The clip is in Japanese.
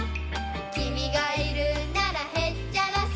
「君がいるならへっちゃらさ」